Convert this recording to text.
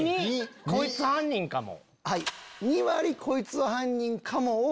こいつ犯人かも。